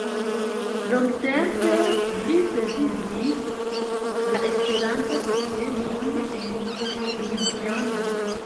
Longtempe li prezidis la Esperanto-societon en Ljubljana.